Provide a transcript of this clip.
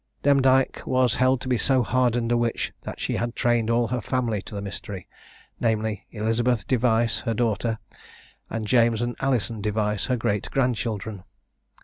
Demdike was held to be so hardened a witch that she had trained all her family to the mystery: namely, Elizabeth Device, her daughter, and James and Alison Device, her great grandchildren.